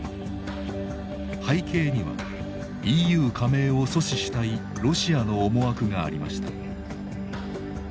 背景にはＥＵ加盟を阻止したいロシアの思惑がありました。